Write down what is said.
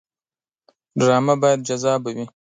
ډرامه باید جذابه وي